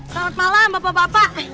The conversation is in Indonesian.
selamat malam bapak bapak